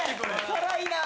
辛いな。